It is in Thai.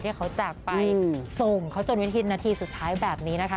ที่เขาจากไปส่งเขาจนวิธีนาทีสุดท้ายแบบนี้นะคะ